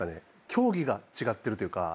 競技が違ってるというか。